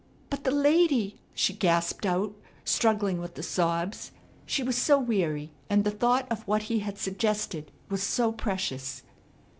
"But the lady " she gasped out, struggling with the sobs. She was so weary, and the thought of what he had suggested was so precious.